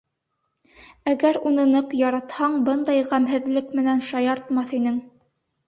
Әгәр уны ныҡ яратһаң, бындай ғәмһеҙлек менән шаяртмаҫ инең!